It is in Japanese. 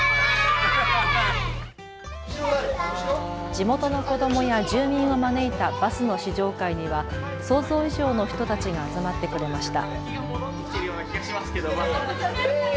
地元の子どもや住民を招いたバスの試乗会には想像以上の人たちが集まってくれました。